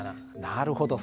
なるほど。